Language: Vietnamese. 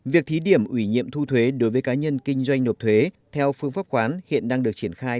việc thí điểm ủy nhiệm thu thuế đối với cá nhân kinh doanh nộp thuế theo phương pháp khoán hiện đang được triển khai